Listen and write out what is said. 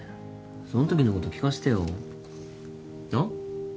そのときのこと聞かせてよああ？